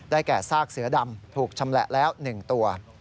แก่ซากเสือดำถูกชำแหละแล้ว๑ตัว